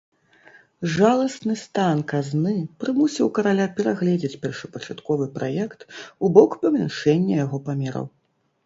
Жаласны стан казны прымусіў караля перагледзець першапачатковы праект у бок памяншэння яго памераў.